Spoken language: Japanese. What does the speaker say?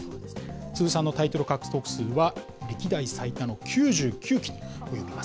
通算のタイトル獲得数は歴代最多の９９期に及びます。